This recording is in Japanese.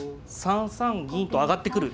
３三銀と上がってくる。